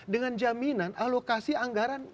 dengan jaminan alokasi anggaran